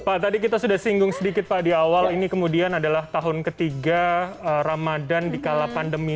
pak tadi kita sudah singgung sedikit pak di awal ini kemudian adalah tahun ketiga ramadan di kala pandemi